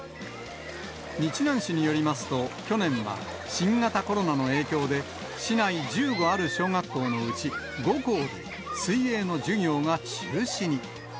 日南市によりますと、去年は新型コロナの影響で、市内１５ある小学校のうち５校、水泳の授業が中止に。